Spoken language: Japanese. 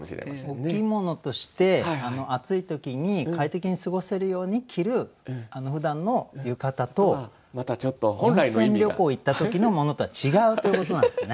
お着物として暑い時に快適に過ごせるように着るふだんの浴衣と温泉旅行行った時のものとは違うということなんですね。